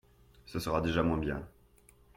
Ce sera déjà moins bien.